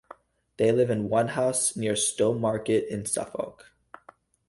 They live in Onehouse near Stowmarket in Suffolk.